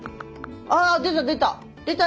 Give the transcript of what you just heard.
ああ出た出た。